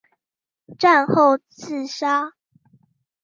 战后自杀。